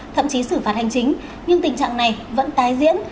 thậm chí xử phạt hành chính nhưng tình trạng này vẫn tái diễn